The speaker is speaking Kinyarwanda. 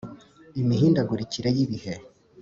imihindagurikire y’ibihe